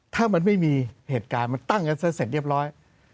ถ้ามันไม่มีเหตุการณ์มันตั้งกันซะเสร็จเรียบร้อย